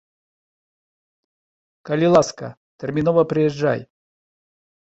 Калі ласка, тэрмінова прыязджай.